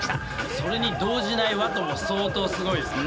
それに動じないＷＡＴＯも相当すごいですよね。